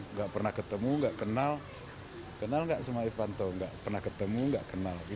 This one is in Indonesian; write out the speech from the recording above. tidak pernah ketemu tidak kenal kenal tidak sama ivan tidak pernah ketemu tidak kenal